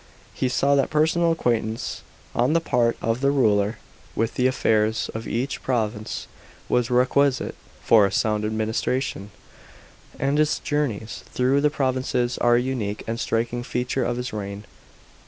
He saw that personal acquaintance on the part of the ruler with the aifairs ot each province was requisite for a sound administration ; and his journeys through the provinces are a unique and striking feature of his reign.